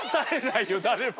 誰も。